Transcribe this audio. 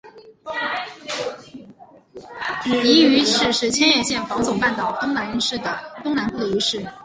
夷隅市是千叶县房总半岛东南部的一市。